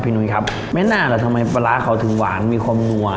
นุ้ยครับไม่น่าล่ะทำไมปลาร้าเขาถึงหวานมีความนัว